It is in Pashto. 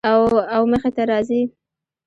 او مخې ته راځي